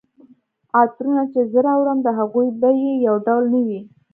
عطرونه چي زه راوړم د هغوی بیي یو ډول نه وي